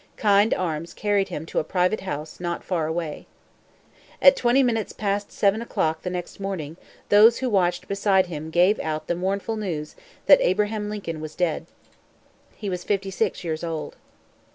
Kind arms carried him to a private house not far away. At twenty minutes past seven o'clock the next morning, those who watched beside him gave out the mournful news that Abraham Lincoln was dead. He was fifty six years old.